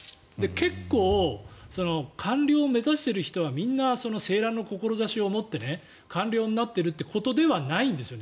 結構、官僚を目指している人はみんな青巒の志を持って官僚になってるということではないんですね。